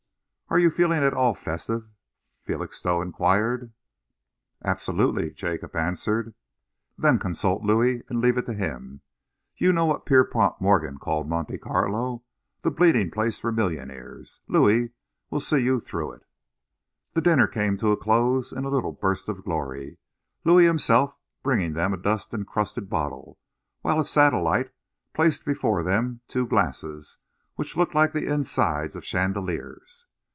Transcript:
"Are you feeling at all festive?" Felixstowe enquired. "Absolutely," Jacob answered. "Then consult Louis and leave it to him. You know what Pierpont Morgan called Monte Carlo? 'the bleeding place for millionaires.' Louis will see you through it." The dinner came to a close in a little burst of glory, Louis himself bringing them a dust encrusted bottle, whilst a satellite placed before them two glasses which looked like the insides of chandeliers.